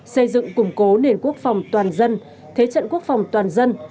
xây dựng củng cố nền quốc phòng toàn dân thế trận quốc phòng toàn dân